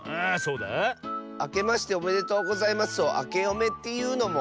「あけましておめでとうございます」を「あけおめ」っていうのも？